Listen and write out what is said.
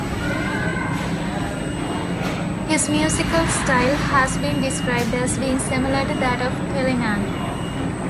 His musical style has been described as being similar to that of Telemann.